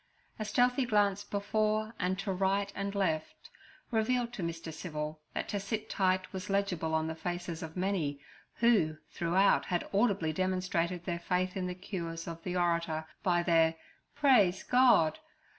A stealthy glance before and to right and left revealed to Mr. Civil that to sit tight was legible on the faces of many, who throughout had audibly demonstrated their faith in the cures of the orator by their 'Praise God!'